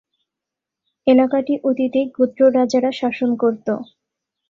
এলাকাটি অতীতে গোত্র রাজারা শাসন করত।